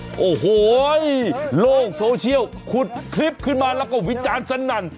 โอ้โหโลกโซเชียลขุดคลิปขึ้นมาแล้วก็วิจารณ์สนั่น